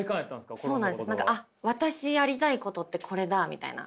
私やりたいことってこれだみたいな。